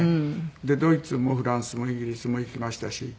でドイツもフランスもイギリスも行きましたし。